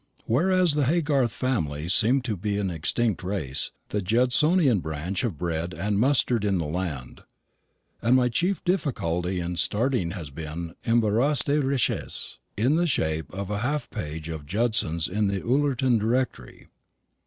Whereas the Haygarth family seem to be an extinct race, the Judsonian branch have bred and mustered in the land; and my chief difficulty in starting has been an embarras de richesse, in the shape of half a page of Judsons in the Ullerton directory.